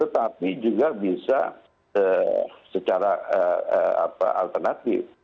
tetapi juga bisa secara alternatif